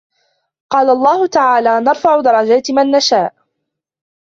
قَالَ اللَّهُ تَعَالَى نَرْفَعُ دَرَجَاتٍ مَنْ نَشَاءُ